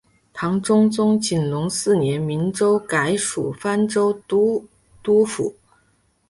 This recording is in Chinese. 唐中宗景龙四年明州改属播州都督府。